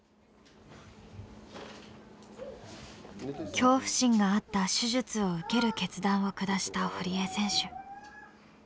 恐怖心があった手術を受ける決断を下した堀江選手。